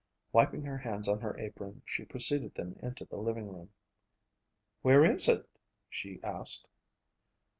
Wiping her hands on her apron, she preceded them into the living room. "Where is it?" she asked.